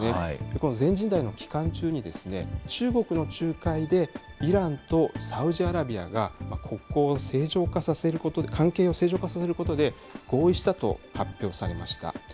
この全人代の期間中に、中国の仲介でイランとサウジアラビアが国交を、関係を正常化させることで合意したと発表されました。